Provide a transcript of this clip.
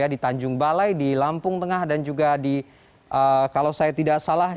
di tanjung balai di lampung tengah dan juga di kalau saya tidak salah